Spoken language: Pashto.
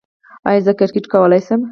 ایا زه کرکټ کولی شم؟